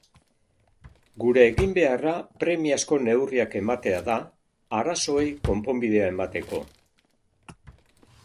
Gure eginbeharra premiazko neurriak ematea da, arazoei konponbidea emateko.